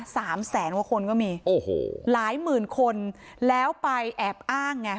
สามแสนกว่าคนก็มีโอ้โหหลายหมื่นคนแล้วไปแอบอ้างไง